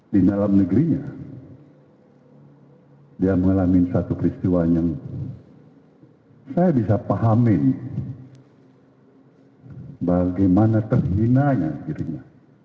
di dalam negerinya dia mengalami satu peristiwa yang saya bisa pahami bagaimana terhinanya dirinya